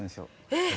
えっ！